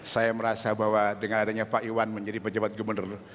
saya merasa bahwa dengan adanya pak iwan menjadi pejabat gubernur